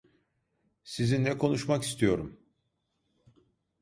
Sizinle konuşmak istiyorum.